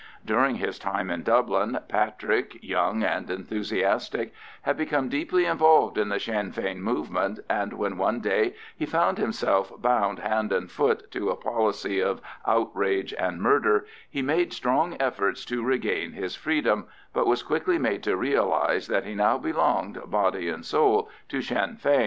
During his time in Dublin, Patrick, young and enthusiastic, had become deeply involved in the Sinn Fein movement, and when one day he found himself bound hand and foot to a policy of outrage and murder, he made strong efforts to regain his freedom, but was quickly made to realise that he now belonged, body and soul, to Sinn Fein.